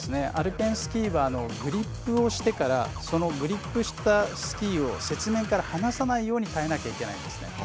アルペンスキーはグリップをしてからそのグリップしたスキーを雪面から放さないように耐えなきゃいけないんですね。